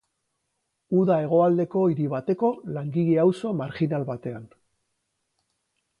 Uda hegoaldeko hiri bateko langile-auzo marjinal batean.